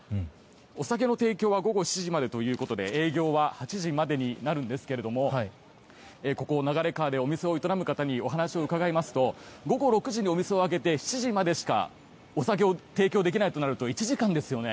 お酒の提供は午後７時までということで営業は８時までになるんですけれどもここ流川でお店を営む方にお話を伺いますと午後６時にお店を開けて７時までしかお酒を提供できないとなると１時間ですよね。